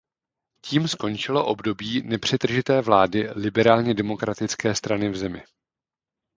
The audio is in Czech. Tím skončilo období nepřetržité vlády liberálně demokratické strany v zemi.